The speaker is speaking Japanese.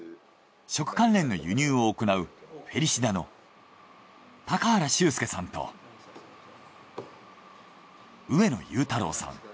食関連の輸入を行うフェリシダの高原周右さんと上野雄太郎さん。